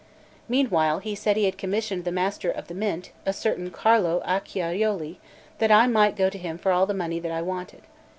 Meanwhile he said he had commissioned the Master of the Mint, a certain Carlo Acciaiuoli, and that I might go to him for all the money that I wanted.